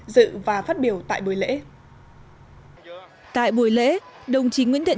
dự và phát biểu tại buổi lễ tại buổi lễ đồng chí nguyễn thiện